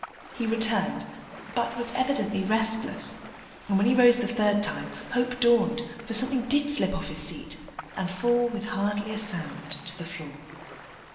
He returned, but was evidently restless: and, when he rose the third time, hope dawned, for something did slip off his seat and fall with hardly a sound to the floor.